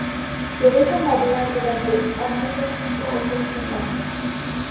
Se deja madurar durante al menos cinco o seis semanas.